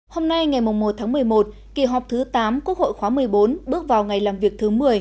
hôm nay ngày một tháng một mươi một kỳ họp thứ tám quốc hội khóa một mươi bốn bước vào ngày làm việc thứ một mươi